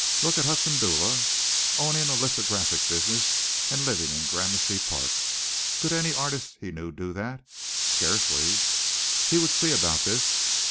Look at Hudson Dula. Owning a lithographic business and living in Gramercy Place. Could any artist he knew do that? Scarcely. He would see about this.